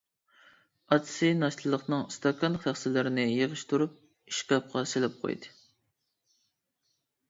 ئاتىسى ناشتىلىقنىڭ ئىستاكان، تەخسىلىرىنى يىغىشتۇرۇپ ئىشكاپقا سېلىپ قويدى.